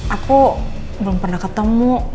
aku belum pernah ketemu